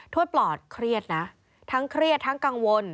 ปลอดเครียดนะทั้งเครียดทั้งกังวล